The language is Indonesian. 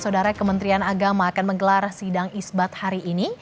saudara kementerian agama akan menggelar sidang isbat hari ini